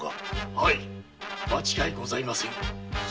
はい間違いございません。